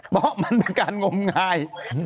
เพราะมันเป็นการงมงาย